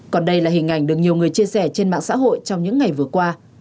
còn đây là hình ảnh được nhiều người chia sẻ trên mạng xã hội trong những ngày vừa qua